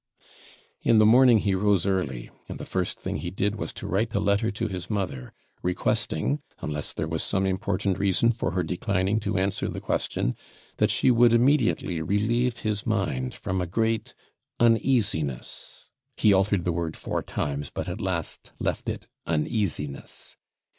In the morning he rose early; and the first thing he did was to write a letter to his mother, requesting (unless there was some important reason for her declining to answer the question) that she would immediately relieve his mind from a great UNEASINESS (he altered the word four times, but at last left it UNEASINESS).